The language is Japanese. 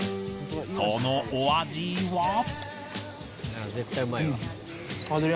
そのお味は。